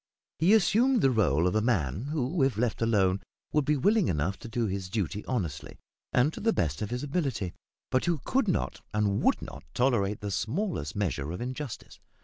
He assumed the role of a man who, if let alone, would be willing enough to do his duty honestly, and to the best of his ability, but who could not and would not tolerate the smallest measure of injustice.